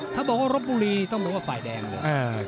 ถ้าบอกว่ารบบุรีต้องบอกว่าฝ่ายแดงเลย